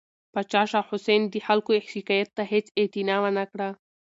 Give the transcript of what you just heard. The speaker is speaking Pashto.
پاچا شاه حسین د خلکو شکایت ته هیڅ اعتنا ونه کړه.